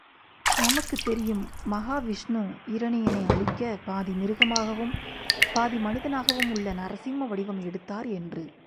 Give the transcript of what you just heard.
நமக்குத் தெரியும், மகாவிஷ்ணு இரணியனை அழிக்க பாதி மிருகமாகவும் பாதி மனிதனாகவும், உள்ள நரசிம்ம வடிவம் எடுத்தார் என்று.